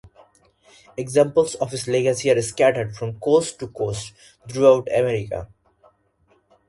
Examples of his legacy are scattered from coast to coast throughout America.